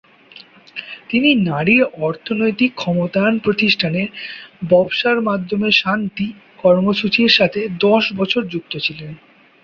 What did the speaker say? তিনি নারীর অর্থনৈতিক ক্ষমতায়ন প্রতিষ্ঠানের 'ব্যবসার মাধ্যমে শান্তি' কর্মসূচির সাথে দশ বছর যুক্ত ছিলেন।